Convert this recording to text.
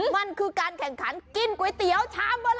มันคือการแข่งขันกินก๋วยเตี๋ยวชามโบราณ